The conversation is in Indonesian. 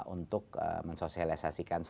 untuk mensosialisasikan langkah langkah